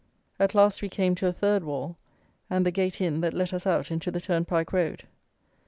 At last we came to a third wall, and the gate in that let us out into the turnpike road.